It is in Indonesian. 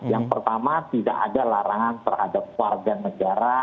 yang pertama tidak ada larangan terhadap warga negara